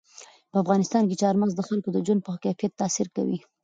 په افغانستان کې چار مغز د خلکو د ژوند په کیفیت تاثیر کوي.